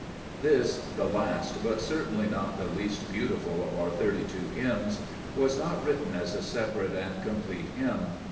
This, the last, but certainly not the least beautiful, of our thirty two hymns, was not written as a separate and complete hymn.